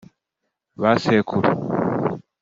ba sekuru